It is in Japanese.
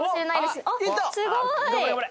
すごーい